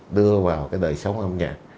đưa vào cái đời sống âm nhạc